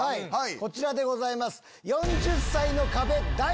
こちらでございます。